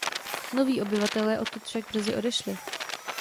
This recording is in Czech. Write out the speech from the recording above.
Noví obyvatelé odtud však brzy odešli.